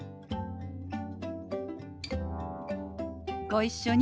ご一緒に。